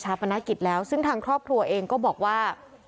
ปนกิจแล้วซึ่งทางครอบครัวเองก็บอกว่า